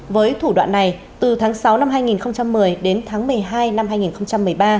với thủ đoạn này từ tháng sáu năm hai nghìn một mươi đến tháng một mươi hai năm hai nghìn một mươi ba